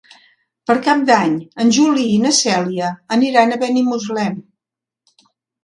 Per Cap d'Any en Juli i na Cèlia aniran a Benimuslem.